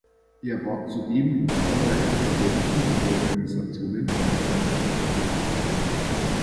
Er war zudem in zahlreichen Verbänden und Organisationen ehrenamtlich tätig.